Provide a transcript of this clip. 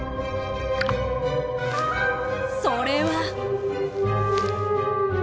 それは。